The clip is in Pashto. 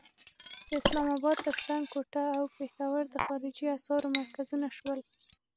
د اسلام اباد تر څنګ کوټه او پېښور د خارجي اسعارو مرکزونه شول.